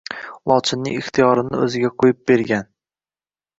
Lochinning ixtiyorini o‘ziga qo‘yib bergan